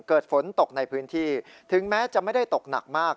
เกิดฝนตกในพื้นที่ถึงแม้จะไม่ได้ตกหนักมาก